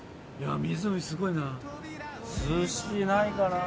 湖すごいな。